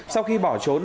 sau khi bỏ trốn